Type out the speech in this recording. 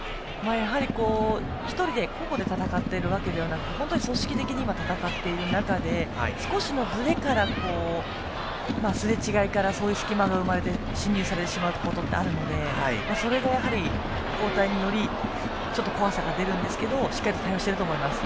やはり１人、個々で戦っているわけではなくて組織的に戦っている中で少しのずれからすれ違いからそういう隙間が生まれて進入されてしまうことはあるのでそれがやはり、交代により怖さが出るんですけれどもしっかりと対応していると思います。